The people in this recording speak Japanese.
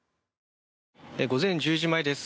午前１０時前です。